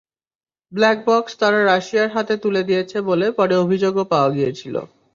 Black box তারা রাশিয়ার হাতে তুলে দিয়েছে বলে পরে অভিযোগও পাওয়া গিয়েছিল।